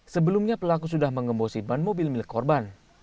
sebelumnya pelaku sudah mengembosi ban mobil milik korban